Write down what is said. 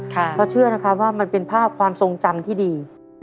เพราะเชื่อนะครับว่ามันเป็นภาพความทรงจำที่ดี